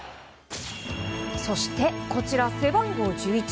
そして、こちら背番号１１。